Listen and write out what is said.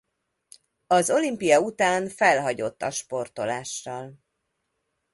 Az olimpia után felhagyott a sportolással.